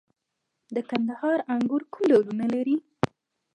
د کندهار انګور کوم ډولونه لري؟